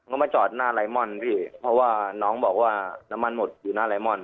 ก็มาจอดหน้าไลมอนพี่เพราะว่าน้องบอกว่าน้ำมันหมดอยู่หน้าไลมอน